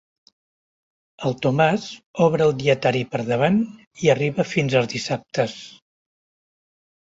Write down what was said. El Tomàs obre el dietari per davant i arriba fins als dissabtes.